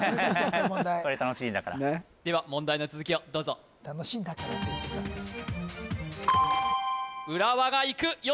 これ楽しみだからでは問題の続きをどうぞ浦和がいく吉